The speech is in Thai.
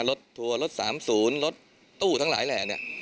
รถทัวร์รถสามศูนย์รถตู้ทั้งหลายแหล่น